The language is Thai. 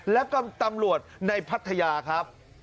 แล้วก็ตำรวจในพัทยาครับ